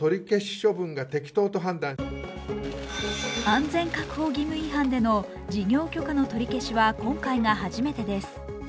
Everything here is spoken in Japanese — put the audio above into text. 安全確保義務違反での事業許可の取り消しは今回が初めてです。